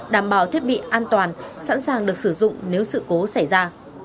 đảm bảo thiết bị an toàn sẵn sàng được sử dụng nếu sự cố xảy ra